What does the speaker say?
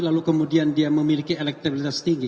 lalu kemudian dia memiliki elektabilitas tinggi